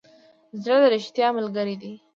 زړه د ریښتیا ملګری دی.